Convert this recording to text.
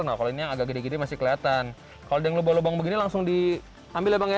nah kalau ini yang agak gede gede masih kelihatan kalau ada yang lubang lubang begini langsung diambil ya bang ya